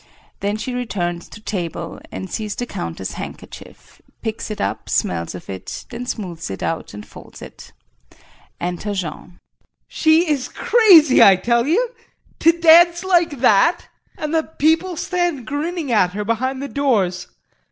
Then she returns to table and sees the Countess' handkerchief, picks it up, smells of it, then smooths it out and folds it. Enter Jean.] JEAN. She is crazy I tell you! To dance like that! And the people stand grinning at her behind the doors.